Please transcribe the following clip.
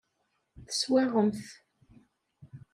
Teswaɣem-t.